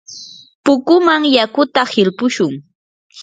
pukuman yakuta hilpushun.